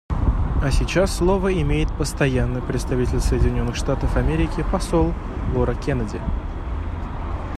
А сейчас слово имеет Постоянный представитель Соединенных Штатов Америки посол Лора Кеннеди.